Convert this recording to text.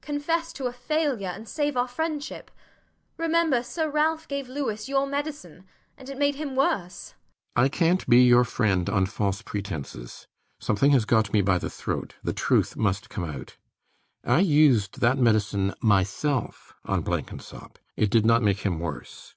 Confess to a failure, and save our friendship. Remember, Sir Ralph gave Louis your medicine; and it made him worse. RIDGEON. I cant be your friend on false pretences. Something has got me by the throat: the truth must come out. I used that medicine myself on Blenkinsop. It did not make him worse.